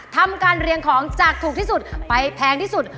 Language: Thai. ทำการเรียงของจากถูกที่สุดไปแพงที่สุด